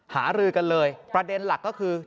หารือกันเลยประเด็นหลักก็คือ